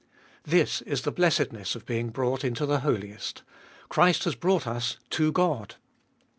This is the blessedness of being brought into the Holiest : Christ has brought us to God.